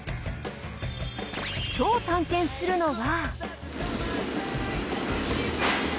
今日探検するのは。